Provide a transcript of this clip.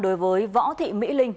đối với võ thị mỹ linh